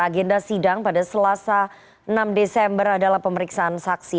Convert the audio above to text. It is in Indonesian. agenda sidang pada selasa enam desember adalah pemeriksaan saksi